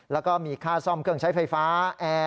แล้วก็มีค่าซ่อมเครื่องใช้ไฟฟ้าแอร์